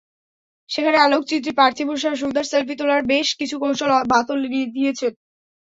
সেখানে আলোকচিত্রী পার্থিব শাহ সুন্দর সেলফি তোলার বেশ কিছু কৌশল বাতলে দিয়েছেন।